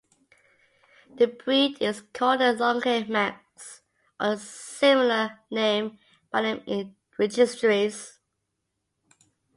The breed is called the Longhair Manx or a similar name by some registries.